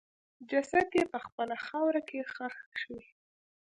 جسد یې په خپله خاوره کې ښخ شي.